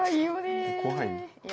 怖い？